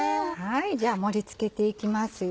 じゃあ盛り付けていきますよ。